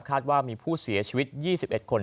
ว่ามีผู้เสียชีวิต๒๑คน